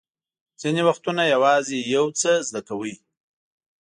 ځینې وختونه یوازې یو څه زده کوئ.